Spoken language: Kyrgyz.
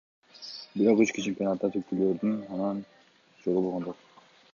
Бирок ички чемпионатта түлкүлөрдүн анча жолу болгон жок.